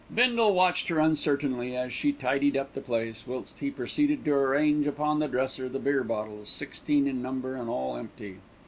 Bindle watched her uncertainly as she tidied up the place, whilst he proceeded to arrange upon the dresser the beer bottles, sixteen in number and all empty.